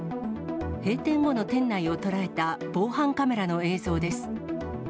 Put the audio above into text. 閉店後の店内を捉えた防犯カメラの映像です。